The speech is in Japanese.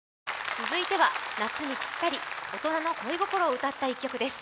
続いては夏にぴったり大人の恋心を歌った一曲です。